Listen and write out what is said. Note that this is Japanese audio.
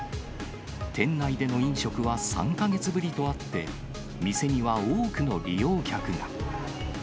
店内での飲食は３か月ぶりとあって、店には多くの利用客が。